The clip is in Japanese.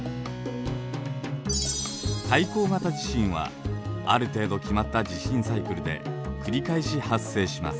海溝型地震はある程度決まった地震サイクルで繰り返し発生します。